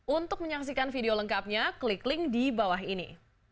untuk menyaksikan video lengkapnya klik link di bawah ini